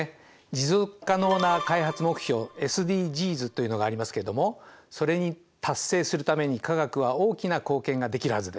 持続可能な開発目標ＳＤＧｓというのがありますけれどもそれに達成するために化学は大きな貢献ができるはずです。